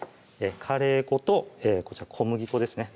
カレー粉とこちら小麦粉ですね